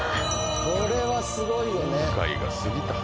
これはすごいよね。